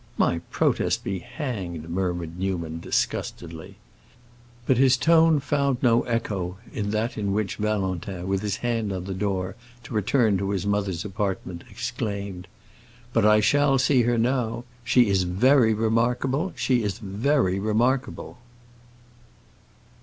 "My protest be hanged!" murmured Newman, disgustedly. But his tone found no echo in that in which Valentin, with his hand on the door, to return to his mother's apartment, exclaimed, "But I shall see her now! She is very remarkable—she is very remarkable!"